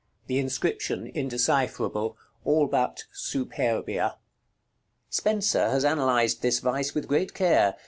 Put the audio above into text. The inscription indecipherable, all but "SUPERBIA." Spenser has analyzed this vice with great care.